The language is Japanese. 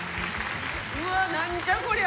うわなんじゃこりゃ！